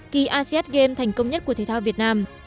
kỳ asean games thành công nhất của thể thao việt nam